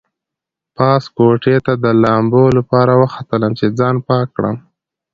پاس کوټې ته د لامبو لپاره وختلم چې ځان پاک کړم.